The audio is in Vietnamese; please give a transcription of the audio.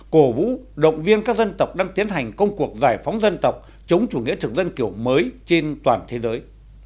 cổ vũ động viên các dân tộc đang tiến hành công cuộc giải phóng dân tộc chống chủ nghĩa thực dân kiểu mới trên toàn thế giới